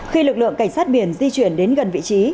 khi lực lượng cảnh sát biển di chuyển đến gần vị trí